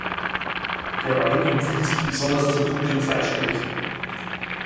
Der Wein empfiehlt sich besonders zu dunklen Fleischgerichten.